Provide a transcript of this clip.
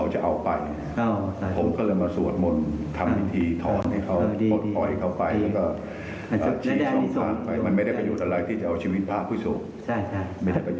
ชี้ช่องทางไปมันไม่ได้ประโยชน์อะไรที่จะเอาชีวิตพระอุโศค